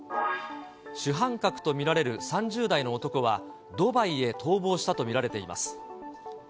主犯格と見られる３０代の男は、ドバイへ逃亡したと見られています。